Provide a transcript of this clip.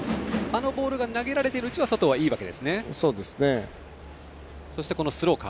あのボールが投げられるうちは外はいいわけですね。